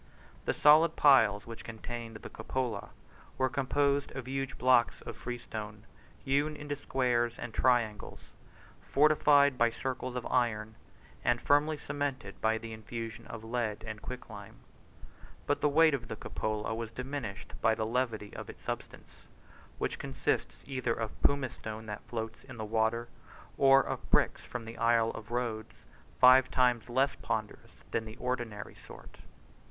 The solid piles which contained the cupola were composed of huge blocks of freestone, hewn into squares and triangles, fortified by circles of iron, and firmly cemented by the infusion of lead and quicklime: but the weight of the cupola was diminished by the levity of its substance, which consists either of pumice stone that floats in the water, or of bricks from the Isle of Rhodes, five times less ponderous than the ordinary sort.